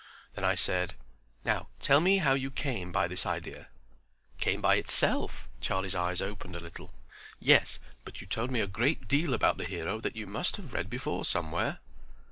Then I said, "Now tell me how you came by this idea." "It came by itself." Charlie's eyes opened a little. "Yes, but you told me a great deal about the hero that you must have read before somewhere."